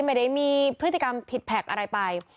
ไม่ได้มีพฤติกรรมผิดแพ็กอะไรไป